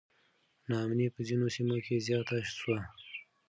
نا امني په ځینو سیمو کې زیاته سوه.